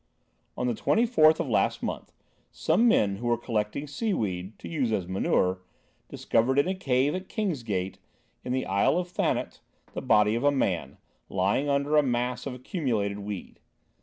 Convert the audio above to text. "On the 24th of last month, some men who were collecting seaweed, to use as manure, discovered in a cave at Kingsgate, in the Isle of Thanet, the body of a man, lying under a mass of accumulated weed.